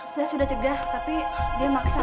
saya sudah cegah tapi dia maksa